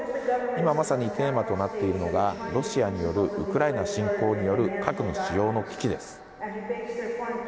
今まさにテーマとなっているのがロシアによるウクライナ侵攻による核の使用の危機です。